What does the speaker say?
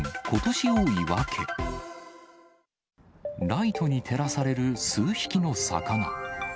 ライトに照らされる数匹の魚。